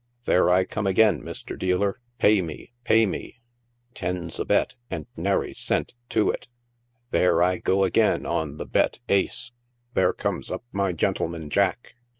" There I come again, Mr. Dealer ; pay me ! pay me ! Ten's a bet, and nary cent to it. There I go again on the bet aee." " There comes up my gentleman Jack.